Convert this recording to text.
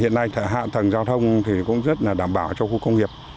hiện nay hạ tầng giao thông cũng rất đảm bảo cho khu công nghiệp